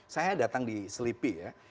saya datang di selipi